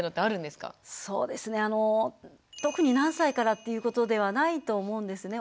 そうですねあの特に何歳からっていうことではないと思うんですね。